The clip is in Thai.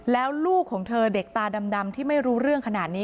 แล้วลูกของเธอเด็กตาดำที่ไม่รู้เรื่องขนาดนี้